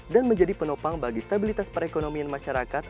dan menjadi penopang bagi stabilitas perekonomian masyarakat